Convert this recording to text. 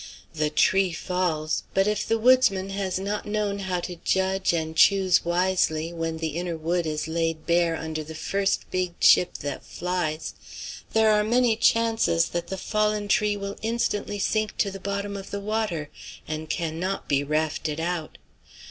The tree falls: but if the woodsman has not known how to judge and choose wisely when the inner wood is laid bare under the first big chip that flies, there are many chances that the fallen tree will instantly sink to the bottom of the water, and cannot be rafted out.